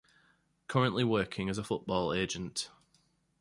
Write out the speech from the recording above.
Currently working as a football agent.